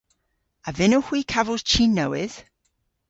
A vynnowgh hwi kavos chi nowydh?